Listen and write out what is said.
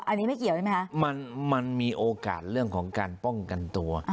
อันนี้ไม่เกี่ยวใช่ไหมคะมันมีโอกาสเรื่องของการป้องกันตัว